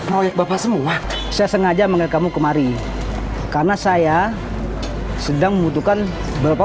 mau bapak semua saya sengaja mengenai kamu kemari karena saya sedang membutuhkan beberapa